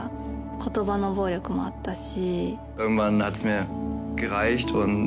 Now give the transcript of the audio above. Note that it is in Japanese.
言葉の暴力もあったし。